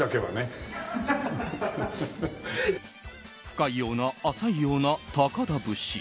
深いような浅いような高田節。